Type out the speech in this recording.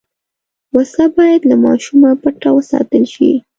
وسله باید له ماشومه پټه وساتل شي